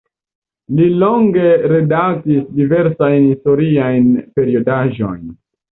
Li longe redaktis diversajn historiajn periodaĵojn.